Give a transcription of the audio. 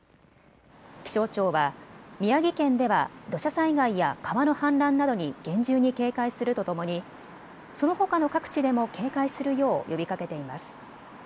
気象庁は宮城県では土砂災害や川の氾濫などに厳重に警戒するとともにそのほかの各地でも警戒するよう呼びかけています。